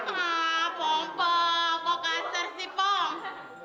ah pompom kok kasar sih poms